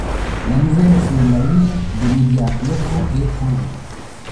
La nouvelle fait la une des médias locaux et étrangers.